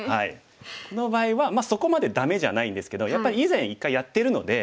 この場合はまあそこまでダメじゃないんですけどやっぱり以前１回やってるのでちょっとね